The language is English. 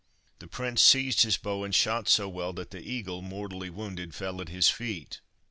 The prince seized his bow, and shot so well that the eagle, mortally wounded, fell at his feet.